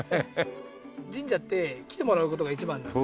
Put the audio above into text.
神社って来てもらう事が一番なので。